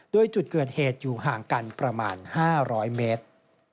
โดยจุดเกิดเหตุอยู่ห่างกันประมาณ๕๐๐เมตร